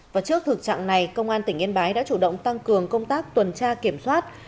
và trước thực trạng này công an tỉnh yên bái đã chủ động tăng cường công tác tuần tra kiểm soát